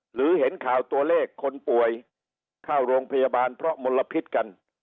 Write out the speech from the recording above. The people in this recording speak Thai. หรือเห็นข่าวตัวเลขคนป่วยเข้าโรงพยาบาลเพราะมลพิษกัน